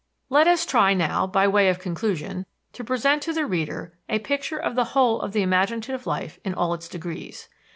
Let us try now, by way of conclusion, to present to the reader a picture of the whole of the imaginative life in all its degrees.